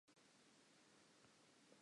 Latela feela ditaelo tse ka tlase.